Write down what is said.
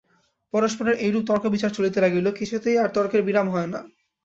পরস্পরের এইরূপ তর্কবিচার চলিতে লাগিল, কিছুতেই আর তর্কের বিরাম হয় না।